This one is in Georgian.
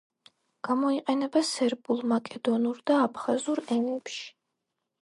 გამოიყენება სერბულ, მაკედონურ და აფხაზურ ენებში.